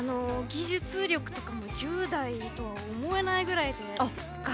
技術力とかも１０代とは思えないぐらいで。